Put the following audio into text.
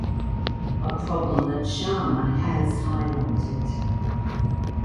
A problem that Sharma has highlighted.